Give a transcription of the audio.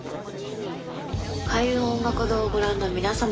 開運音楽堂をご覧の皆様